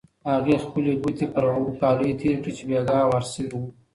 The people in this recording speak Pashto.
هغې خپلې ګوتې پر هغو کالیو تېرې کړې چې بېګا هوار شوي وو.